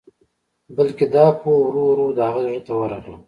بلکې دا پوهه ورو ورو د هغه زړه ته ورغله.